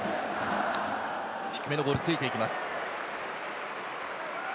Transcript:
低めのボールについていきます。